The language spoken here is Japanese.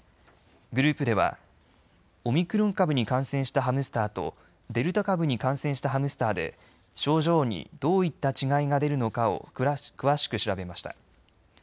グループではオミクロン株に感染したハムスターとデルタ株に感染したハムスターで症状にどういった違いが出るのかを詳しく調べました。